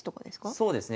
そうですね。